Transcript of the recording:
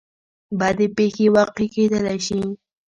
بدې پېښې واقع کېدلی شي.